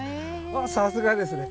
さすがですね。